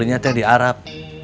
nanti masukin kopernya